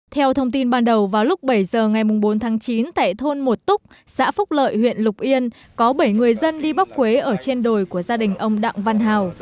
theo thông tin ban đầu vào lúc bảy giờ ngày bốn tháng chín tại thôn một túc xã phúc lợi huyện lục yên có bảy người dân đi bóc quế ở trên đồi của gia đình ông đặng văn hào